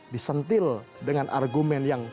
disentil dengan argumen yang